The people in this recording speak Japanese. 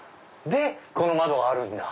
でこの窓があるんだ。